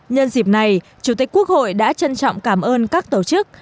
nhân dịp này chủ tịch quốc hội đã trân trọng cảm ơn các tổ chức